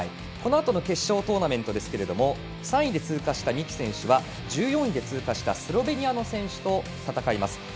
このあとの決勝トーナメントですが３位で通過した三木選手は１４位で通過したスロベニアの選手と戦います。